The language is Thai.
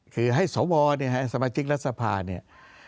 คือให้สวสมาชิกรัฐสภาเนี่ย